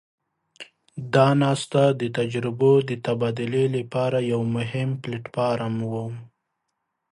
دا ناسته د تجربو د تبادلې لپاره یو مهم پلټ فارم وو.